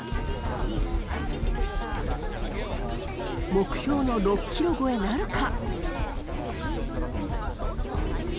目標の６ｋｇ超えなるか！